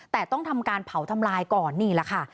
แต่ต้องทำการเผาทำลายก่อนนี่แหละค่ะ